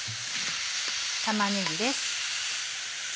玉ねぎです。